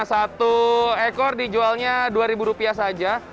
satu ekor dijualnya dua ribu rupiah saja